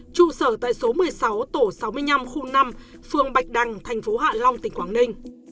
trụ sở tại số một mươi sáu tổ sáu mươi năm khu năm phường bạch đăng thành phố hạ long tỉnh quảng ninh